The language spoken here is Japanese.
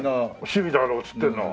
趣味だろうっつってんの？